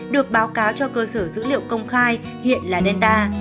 được báo cáo cho cơ sở dữ liệu công khai hiện là netan